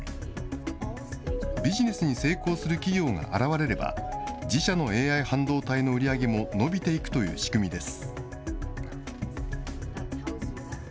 ビジネスに成功する企業が現れれば、自社のＡＩ半導体の売り上げも伸びていくという仕組みです。